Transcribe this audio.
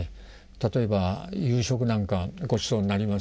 例えば夕食なんかごちそうになりますね